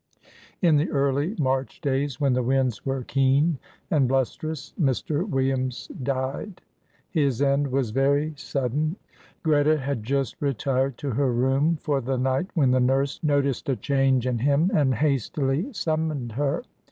In the early March days, when the winds were keen and blusterous, Mr. Williams died; his end was very sudden. Greta had just retired to her room for the night when the nurse noticed a change in him and hastily summoned her.